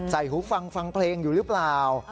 หูฟังฟังเพลงอยู่หรือเปล่า